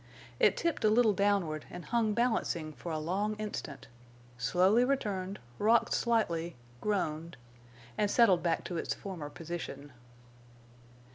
It tipped a little downward and hung balancing for a long instant, slowly returned, rocked slightly, groaned, and settled back to its former position.